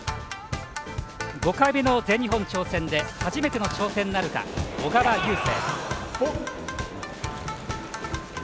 ５回目の全日本挑戦で初めての頂点なるか小川雄勢。